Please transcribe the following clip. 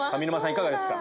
いかがですか？